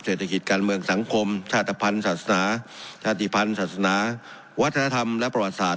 เศรษฐกิจการเมืองสังคมชาติภัณฑ์ศาสนาชาติภัณฑ์ศาสนาวัฒนธรรมและประวัติศาสต